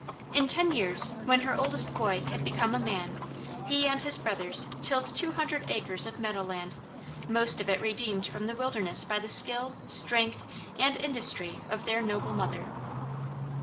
In ten years, when her oldest boy had become a man, he and his brothers tilled two hundred acres of meadow land, most of it redeemed from the wilderness by the skill, strength, and industry of their noble mother.